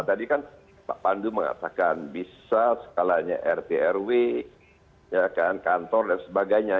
tadi kan pak pandu mengatakan bisa skalanya rt rw kantor dan sebagainya